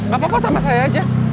gak apa apa sama saya aja